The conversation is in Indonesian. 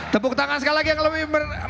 tepuk tangan sekali lagi yang lebih